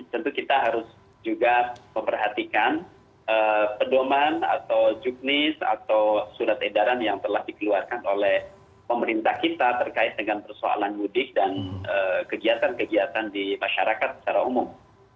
tentu kita harus juga memperhatikan pedoman atau juknis atau surat edaran yang telah dikeluarkan oleh pemerintah kita terkait dengan persoalan mudik dan kegiatan kegiatan di masyarakat secara umum